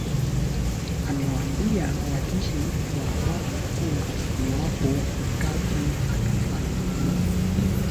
amewaambia wandishi wa habari kuwa iwapo mikati atafanikiwa